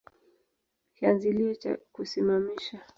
Kianzilio cha kusimamisha